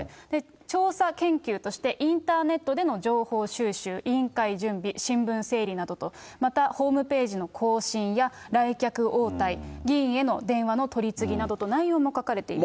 調査研究として、インターネットでの情報収集、委員会準備、新聞整理などと、またホームページの更新や来客応対、議員への電話の取り次ぎなどと、内容も書かれています。